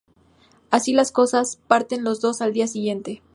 Así las cosas, parten los dos al día siguiente.